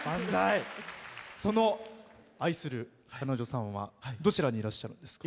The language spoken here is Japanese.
愛する彼女さんはどちらにいらっしゃるんですか？